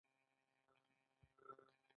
پلار د کورنۍ لپاره د ماښام ډوډۍ چمتو کړه.